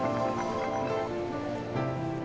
bentar ya ki